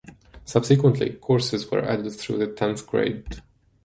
Subsequently, courses were added through the tenth grade.